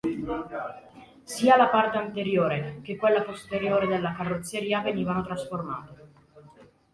Sia la parte anteriore che quella posteriore della carrozzeria venivano trasformate.